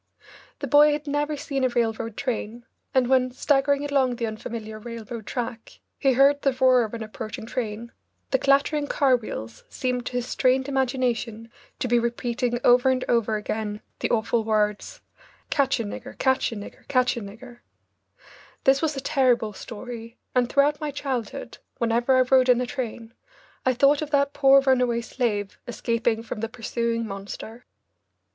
The boy had never seen a railroad train, and when, staggering along the unfamiliar railroad track, he heard the roar of an approaching train, the clattering car wheels seemed to his strained imagination to be repeating over and over again the awful words, "Catch a nigger catch a nigger catch a nigger " This was a terrible story, and throughout my childhood, whenever I rode in a train, I thought of that poor runaway slave escaping from the pursuing monster.